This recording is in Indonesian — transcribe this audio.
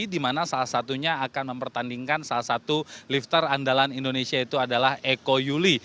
di mana salah satunya akan mempertandingkan salah satu lifter andalan indonesia itu adalah eko yuli